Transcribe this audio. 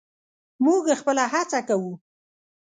موږ خپله هڅه کوو.